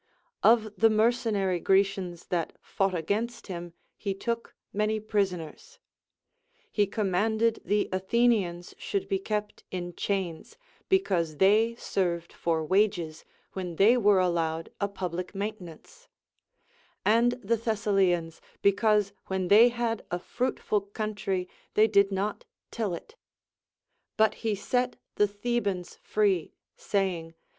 Of the mercenary Grecians that fought against him he took many prisoners. He com manded the Athenians should be kept in chains, because they served for wages when they were allowed a public maintenance ; and the Thessalians, because when they had a fruitful country they did not till it ; but he set the The bans free, saying.